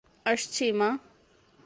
আসছি, মা!